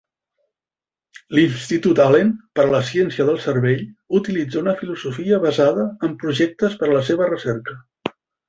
L'Institut Allen per a la Ciència del Cervell utilitza una filosofia basada en projectes per a la seva recerca.